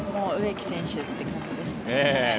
植木選手って感じですね。